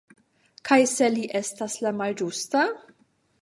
Kaj se li estas la malĝusta?